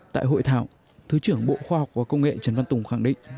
tại hội thảo thứ trưởng bộ khoa học và công nghệ trần văn tùng khẳng định